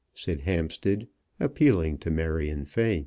said Hampstead, appealing to Marion Fay.